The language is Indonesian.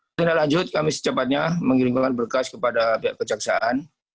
tindak lanjut kami secepatnya mengirimkan berkas kepada pihak kejaksaan